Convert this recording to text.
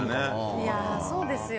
いやー、そうですよ。